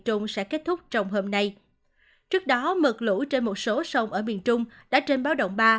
trước đó mực lũ trên một số sông ở miền trung đã trên báo động ba